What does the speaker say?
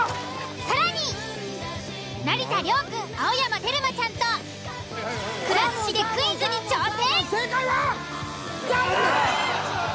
更に成田凌くん青山テルマちゃんと「くら寿司」でクイズに挑戦！